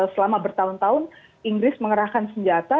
selama bertahun tahun inggris mengerahkan senjata